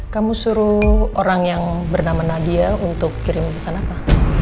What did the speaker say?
kamu suruh orang yang bernama nadia untuk kirim pesan apa